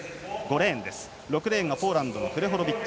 ６レーン、ポーランドのフレホロビチ。